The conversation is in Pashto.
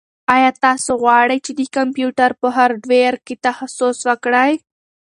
ایا تاسو غواړئ چې د کمپیوټر په هارډویر کې تخصص وکړئ؟